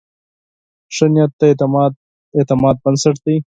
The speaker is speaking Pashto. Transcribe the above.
ښه نیت د اعتماد بنسټ دی.